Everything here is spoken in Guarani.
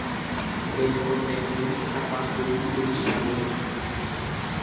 Reikotevẽ sapatu ituichavéva.